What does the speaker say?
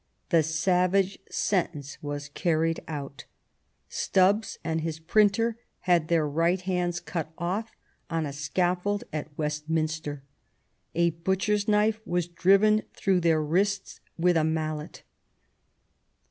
The savage sentence was carried out. Stubbs and his printer had their right hands cut off on a scaffold at Westminster. A butcher's knife was driven through their wrist with a mallet.